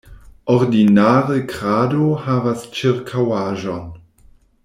Ordinare krado havas ĉirkaŭaĵon.